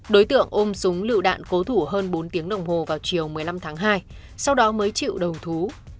đối tượng ôm súng lựu đạn cố thủ hơn bốn tiếng đồng hồ vào chiều một mươi năm tháng hai sau đó mới chịu đầu thú